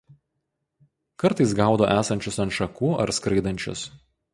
Kartais gaudo esančius ant šakų ar skraidančius.